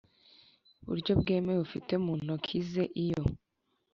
buryo bwemewe ufite mu ntoki ze iyo